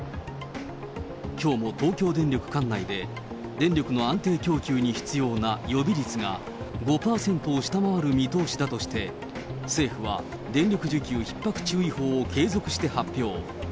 きょうも東京電力管内で、電力の安定供給に必要な予備率が５％を下回る見通しだとして、政府は電力需給ひっ迫注意報を継続して発表。